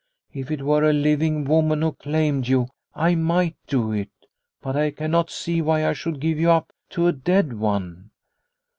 If it were a living woman who claimed you, I might do it, but I cannot see why I should give you up to a dead one."